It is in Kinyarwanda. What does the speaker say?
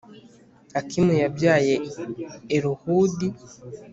Akimu yabyaye Elihudi,